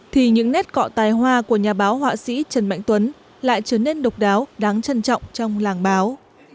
thì những nét cọ tài hoa của nhà báo họa sĩ trần mạnh tuấn lại trở nên độc đáo đáng trân trọng trong làng báo